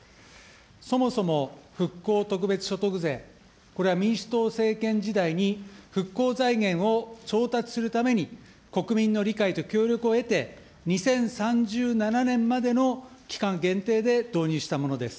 そもそも復興特別所得税、これは民主党政権時代に、復興財源を調達するために、国民の理解と協力を得て、２０３７年までの期間限定で導入したものです。